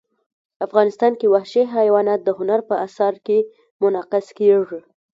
افغانستان کې وحشي حیوانات د هنر په اثار کې منعکس کېږي.